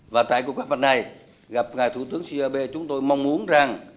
và tại cuộc gặp mặt này gặp ngài thủ tướng shinzo abe chúng tôi mong muốn rằng